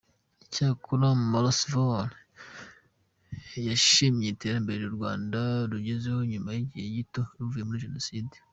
Icyakora Miroslav yashimye iterambere u Rwanda rugezeho nyuma y’igihe gito ruvuye muri Jenoside.